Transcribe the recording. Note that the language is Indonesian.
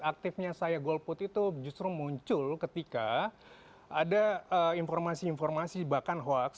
aktifnya saya golput itu justru muncul ketika ada informasi informasi bahkan hoax